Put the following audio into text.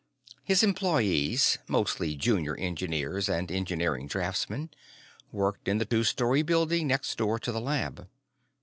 His employees mostly junior engineers and engineering draftsmen worked in the two story building next door to the lab.